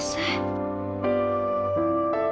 ma aku mau pergi